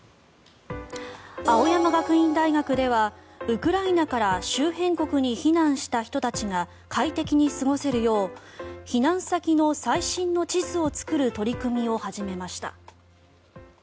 青山学院大学ではウクライナから周辺国に避難した人たちが快適に過ごせるよう避難先の最新の地図を作る取り組みを始めました。